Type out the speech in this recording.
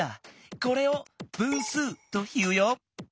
これを「分数」というよ。